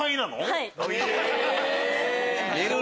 はい。